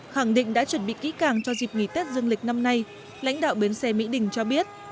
khẳng định đã chuẩn bị kỹ càng cho dịp nghỉ tết dương lịch năm nay lãnh đạo bến xe mỹ đình cho biết